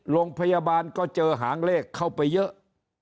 โรงพยาบาลก็เจอหางเลขเข้าไปเยอะ